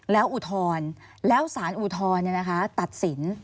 แล้วอุทธรณ์แล้วสารอุทธรณ์ตัดสิน